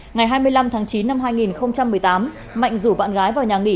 ngày hai mươi năm tháng chín năm hai nghìn một mươi tám mạnh rủ bạn gái vào nhà nghỉ